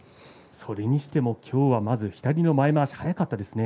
それにしてもきょうはまず左の前まわし、速かったですね。